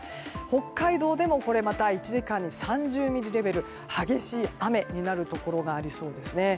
北海道でも、また１時間に３０ミリレベルの激しい雨になるところがありそうですね。